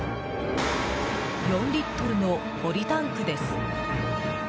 ４リットルのポリタンクです。